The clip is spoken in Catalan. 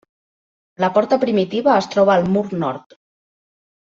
La porta primitiva es troba al mur nord.